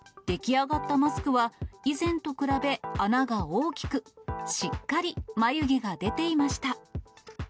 出来上がったマスクは、以前と比べ穴が大きく、しっかり眉毛が出ていました。